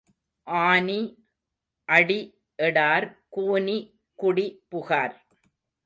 ஆனி அடி எடார் கூனி குடி புகார்.